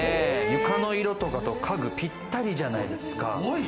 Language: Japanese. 床の色とかと家具がぴったりじゃないですか。